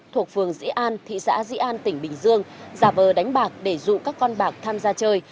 thuộc phường dĩ an thị xã dĩ an tỉnh bình dương giả vờ đánh bạc để dụ các con bạc tham gia chơi